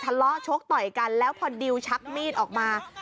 ชกต่อยกันแล้วพอดิวชักมีดออกมา